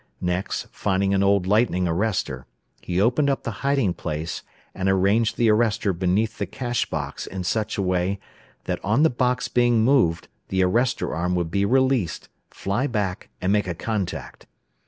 Next, finding an old lightning arrester, he opened up the hiding place, and arranged the arrester beneath the cash box in such a way that on the box being moved the arrester arm would be released, fly back, and make a contact.